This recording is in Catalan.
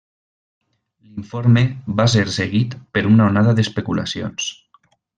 L'informe va ser seguit per una onada d'especulacions.